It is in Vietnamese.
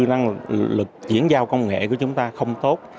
năng lực chuyển giao công nghệ của chúng ta không tốt